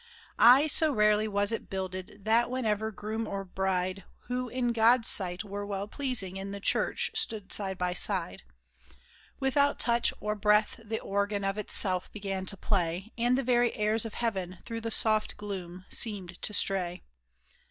Ay, so rarely was it builded that whenever groom or bride Who in God's sight were well pleasing in the church stood side by side, Without touch or breath the organ of itself began to play, And the very airs of heaven through the soft gloom seemed to stray.